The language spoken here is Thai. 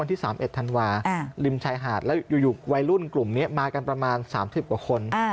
ที่๓๑ธันวาริมชายหาดแล้วอยู่วัยรุ่นกลุ่มนี้มากันประมาณ๓๐กว่าคน